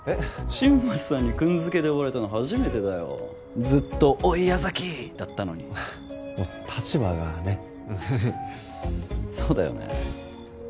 新町さんにくん付けで呼ばれたの初めてだよずっと「おい矢崎」だったのにもう立場がねっそうだよね